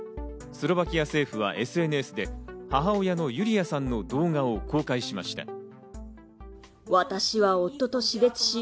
スロバキア政府はＳＮＳで母親のユリアさんの動画を公開しました。